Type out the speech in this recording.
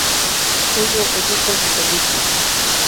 Huyu allqutam chamikuu